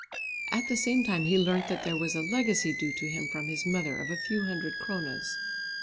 At the same time he learnt that there was a legacy due to him from his mother of a few hundred kronas.